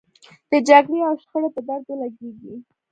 د جګړې او شخړې په درد ولګېږي.